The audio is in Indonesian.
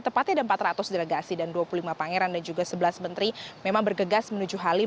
tepatnya ada empat ratus delegasi dan dua puluh lima pangeran dan juga sebelas menteri memang bergegas menuju halim